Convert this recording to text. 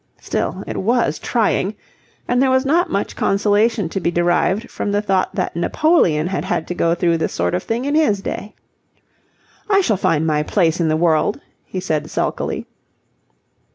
Still, it was trying; and there was not much consolation to be derived from the thought that Napoleon had had to go through this sort of thing in his day. "I shall find my place in the world," he said sulkily.